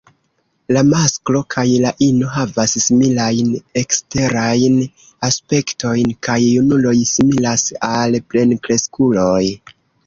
La masklo kaj la ino havas similajn eksterajn aspektojn, kaj junuloj similas al plenkreskuloj.